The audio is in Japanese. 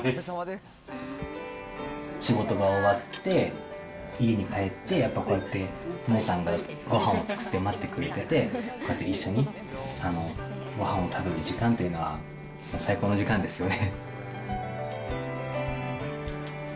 仕事が終わって、家に帰って、やっぱこうやって、モーちゃんがごはんを作って待っててくれて、こうやって一緒にごはんを食べる時間というのは、最高の時間ですよね。